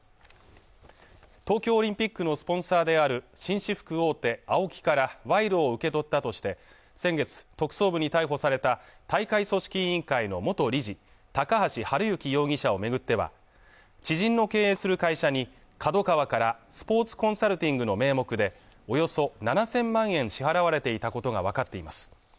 東京オリンピックのスポンサーである紳士服大手・ＡＯＫＩから賄賂を受け取ったとして先月特捜部に逮捕された大会組織委員会の元理事、高橋治之容疑者をめぐっては知人の経営する会社にＫＡＤＯＫＡＷＡからスポーツコンサルティングの名目でおよそ７０００万円支払われていたことがわかっています